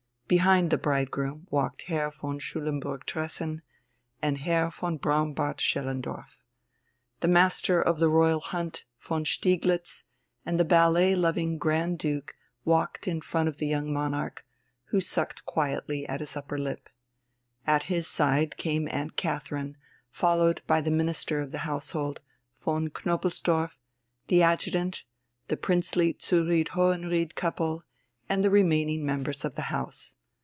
Behind the bridegroom walked Herr von Schulenburg Tressen and Herr von Braunbart Schellendorf. The Master of the Royal Hunt, von Stieglitz, and the ballet loving Grand Duke walked in front of the young monarch, who sucked quietly at his upper lip. At his side came Aunt Catherine, followed by the Minister of the Household, von Knobelsdorff, the Adjutant, the princely zu Ried Hohenried couple, and the remaining members of the House.